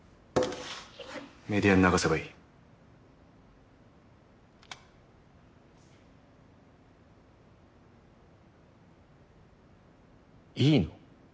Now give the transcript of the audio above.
メディアに流せばいい。いいの？